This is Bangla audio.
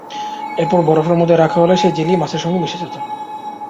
এরপর বরফের মধ্যে রাখা হলে সেই জেলি মাছের সঙ্গে মিশে যেত।